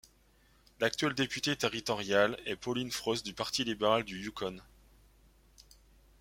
L'actuel député territoriale est Pauline Frost du Parti libéral du Yukon.